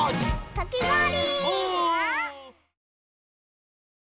かきごおり！